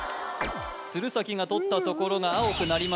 鶴崎が取ったところが青くなりました